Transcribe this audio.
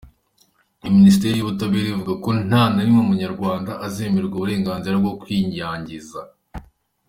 Ibi Minisiteri y’Ubutabera ivuga ko nta na rimwe Umunyarwanda azemererwa uburenganzira bwo kwiyangiza.